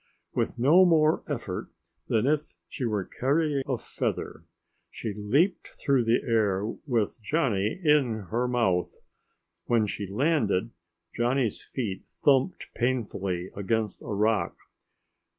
With no more effort than if she were carrying a feather, she leaped through the air with Johnny in her mouth. When she landed Johnny's feet thumped painfully against a rock.